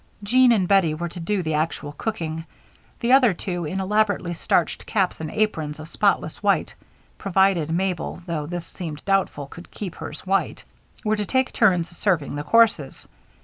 Jean and Bettie were to do the actual cooking. The other two, in elaborately starched caps and aprons of spotless white (provided Mabel, though this seemed doubtful, could keep hers white), were to take turns serving the courses.